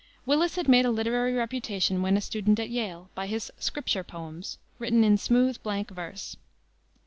Willis had made a literary reputation, when a student at Yale, by his Scripture Poems, written in smooth blank verse.